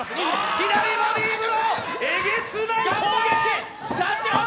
左ボディブロー、えげつない攻撃！